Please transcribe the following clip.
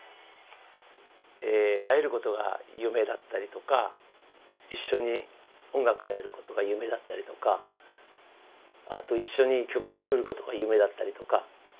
会えることが夢だったりとか一緒に音楽やれることが夢だったりとかあと一緒に曲作ることが夢だったりとか。